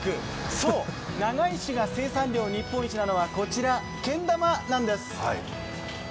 そう、長井市が生産量日本一なのはこちら、けん玉なんです。